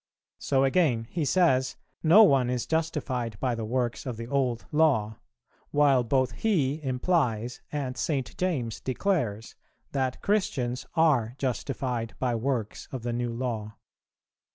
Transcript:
So again he says, no one is justified by the works of the old Law; while both he implies, and St. James declares, that Christians are justified by works of the New Law.